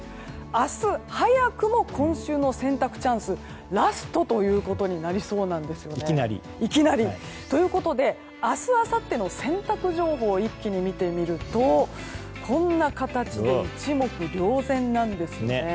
明日、早くも今週の洗濯チャンスがラストということになりそうなんですよね。ということで明日あさっての洗濯情報を一気に見てみるとこんな形で一目瞭然なんです。